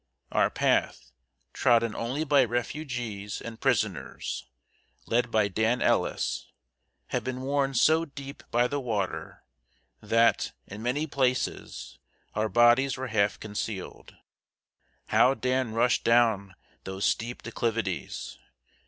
Our path, trodden only by refugees and prisoners, led by Dan Ellis, had been worn so deep by the water, that, in many places, our bodies were half concealed! How Dan rushed down those steep declivities!